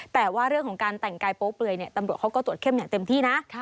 แต่ว่าเรื่องของการแต่งกายโป๊เปลือยตำรวจเขาก็ตรวจเข้มอย่างเต็มที่นะ